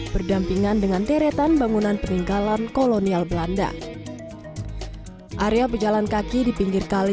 berdampingan dengan deretan bangunan peninggalan kolonial belanda area pejalan kaki di pinggir kali